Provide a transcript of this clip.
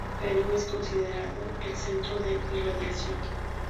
Perú es considerado el centro de irradiación.